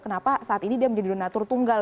kenapa saat ini dia menjadi donatur tunggal